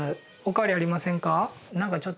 お変わりありませんか？